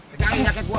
pegangin jaket gue